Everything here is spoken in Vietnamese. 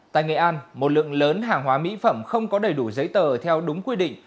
tại nghệ an một lượng lớn hàng hóa mỹ phẩm không có đầy đủ giấy tờ theo đúng quy định